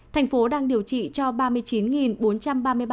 thành phố đang điều trị cho ba mươi chín bốn trăm ba mươi ba bệnh nhân